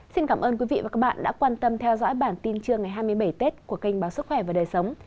xin cảm ơn quý vị và các bạn đã quan tâm theo dõi bản tin trưa ngày hai mươi bảy tết của kênh báo sức khỏe và đời sống